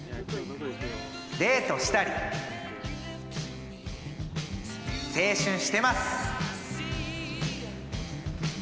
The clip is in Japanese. デートしたり青春してます！